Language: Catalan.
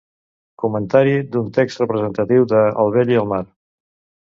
Comentari d'un text representatiu de El vell i el mar.